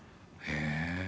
へえ。